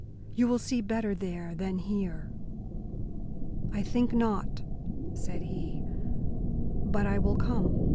You will see better there than here." "I think not," said he, "but I will come.